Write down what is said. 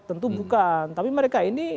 tentu bukan tapi mereka ini